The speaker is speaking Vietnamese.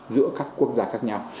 giữa các quốc gia khác nhau